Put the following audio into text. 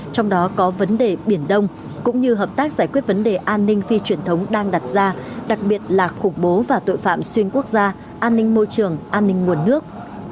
trong đó có vấn đề biển đông cũng như hợp tác giải quyết vấn đề an ninh phi truyền thống đang đặt ra đặc biệt là khủng bố và tội phạm xuyên quốc gia an ninh môi trường an ninh nguồn nước